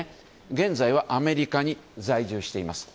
現在はアメリカに在住しています。